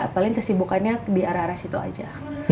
paling kesibukannya di arah arah situ aja